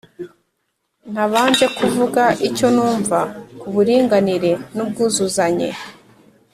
ntabanje kuvuga icyo numva ku buringanire n’ubwuzuzanye.